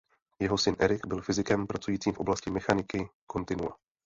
Jeho syn Eric byl fyzikem pracujícím v oblasti mechaniky kontinua.